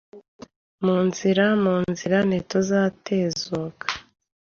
Mu nzira mu nzira ntituzatezuka